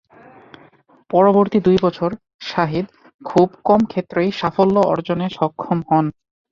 পরবর্তী দুই বছর শাহিদ খুব কম ক্ষেত্রেই সাফল্য অর্জনে সক্ষম হন।